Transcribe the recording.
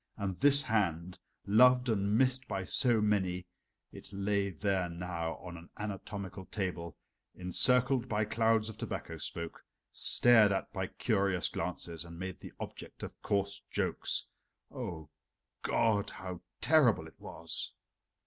And this hand, loved and missed by so many it lay there now on an anatomical table, encircled by clouds of tobacco smoke, stared at by curious glances, and made the object of coarse jokes. O God! how terrible it was!